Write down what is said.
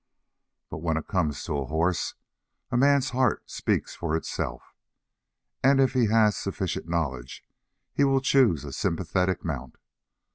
But when it comes to a horse, a man's heart speaks for itself, and if he has sufficient knowledge he will choose a sympathetic mount.